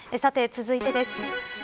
さて、続いてです。